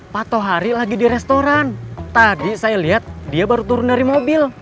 patoh hari lagi di restoran tadi saya liat dia baru turun dari mobil